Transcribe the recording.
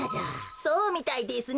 そうみたいですね。